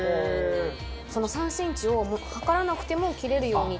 その３センチを測らなくても切れるようにって。